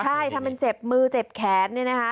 ใช่ทำเป็นเจ็บมือเจ็บแขนเนี่ยนะคะ